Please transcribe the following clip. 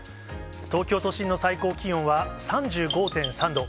東京都心の最高気温は３５．３度。